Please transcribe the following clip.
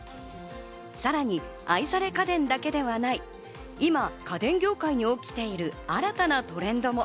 さらに愛され家電だけではない、今、家電業界に起きている新たなトレンドも。